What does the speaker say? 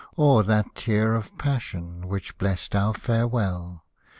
Or that tear of passion, which blessed our farewell.